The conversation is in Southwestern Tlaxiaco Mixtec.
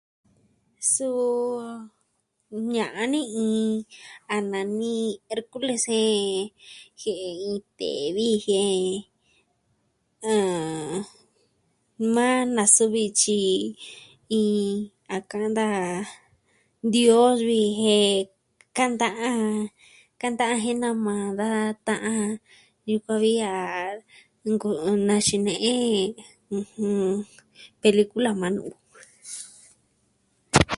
Suu ña'an ni iin a nani e Hercules jie'e iin tee vijiee ah, maa nasuvi tyi jin a kanda dios vi jen kanta a jen nama da ta'an yukuan vi a nkɨ'ɨn na xine'e, pelikula maa nuu.